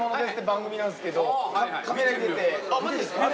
あっマジですか。